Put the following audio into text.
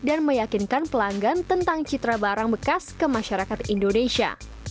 dan meyakinkan pelanggan tentang citra barang bekas ke masyarakat indonesia